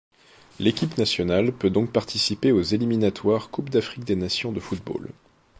L'équipe nationale peut donc participer aux éliminatoires Coupe d'Afrique des nations de football.